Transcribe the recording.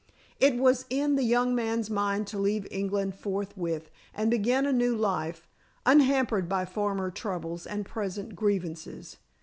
It was in the young man's mind to leave England forthwith and begin a new life, unhampered by former troubles and present grievances.